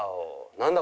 何だ？